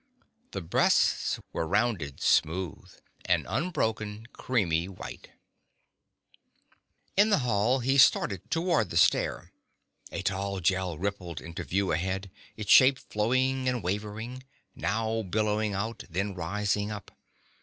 The breasts were rounded, smooth, an unbroken creamy white ... In the hall, he started toward the stair. A tall Gel rippled into view ahead, its shape flowing and wavering, now billowing out, then rising up.